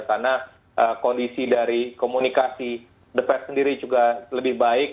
karena kondisi dari komunikasi defense sendiri juga lebih baik